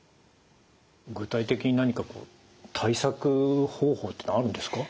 具体的に何かこう対策方法っていうのはあるんですか？